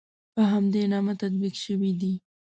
په همدې نامه تطبیق شوي دي.